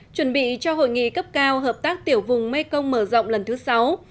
chuẩn bị cho hội nghị cấp cao hợp tác tiểu vùng mekong mở rộng lần thứ sáu